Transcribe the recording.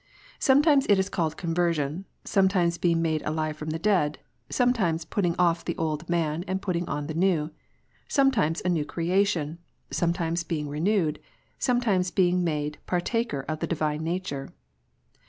Sometimes it is called conversion, sometimes being made alive from the dead, sometimes putting off the old man, and putting on the new, sometimes a new creation, sometimes being renewed, sometimes being made partaker of the Divine nature.